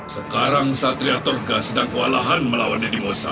sekarang satria turgas sedang kewalahan melawan deddy mossa